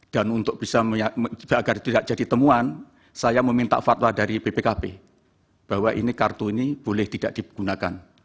dan untuk bisa agar tidak jadi temuan saya meminta fatwa dari bpkp bahwa ini kartu ini boleh tidak digunakan